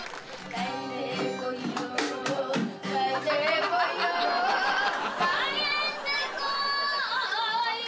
「帰ってこいよ」